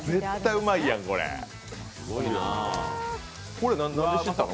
これ何で知ったの？